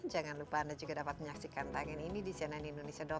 jangan lupa anda juga dapat menyaksikan tangan ini di cnnindonesia com